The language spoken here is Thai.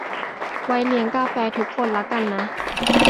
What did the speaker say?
ไว้เลี้ยงกาแฟทุกคนละกันนะ